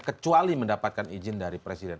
kecuali mendapatkan izin dari presiden